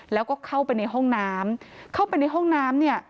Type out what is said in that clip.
แล้วก็เข้าไปในห้องน้ำเข้าไปในห้องน้ำเนี่ย